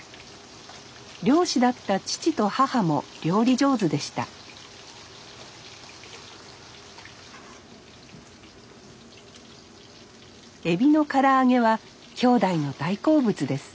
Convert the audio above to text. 漁師だった父と母も料理上手でしたエビのから揚げは兄弟の大好物です